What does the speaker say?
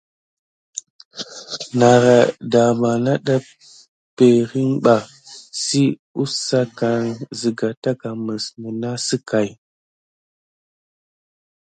Nara dama nana perine ba si kusakane siga takà mis ne nane sickai.